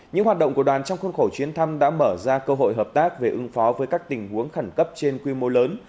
những hoạt động của đoàn trong khuôn khổ chuyến thăm đã mở ra cơ hội hợp tác về ứng phó với các tình huống khẩn cấp trên quy mô lớn